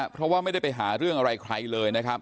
เพราะว่าไม่ได้ไปหาเรื่องอะไรใครเลยนะครับ